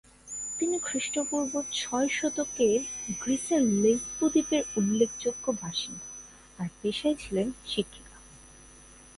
তিনি খ্রীস্টপূর্ব ছয় শতকের গ্রীসের লেসবো দ্বীপের উল্লেখযোগ্য বাসিন্দা, আর পেশায় ছিলেন শিক্ষিকা।